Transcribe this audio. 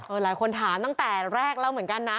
หลายคนถามตั้งแต่แรกแล้วเหมือนกันนะ